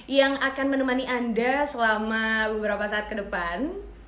yang akan menemani anda selama beberapa saat ke depan